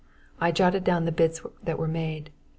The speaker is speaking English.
I jotted down the bids that were made.